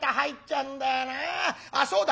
あっそうだ！